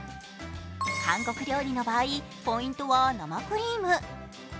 韓国料理の場合、ポイントは生クリーム。